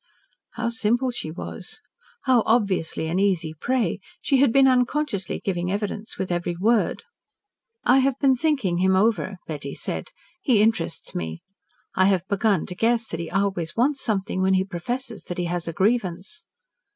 How simple she was! How obviously an easy prey! She had been unconsciously giving evidence with every word. "I have been thinking him over," Betty said. "He interests me. I have begun to guess that he always wants something when he professes that he has a grievance."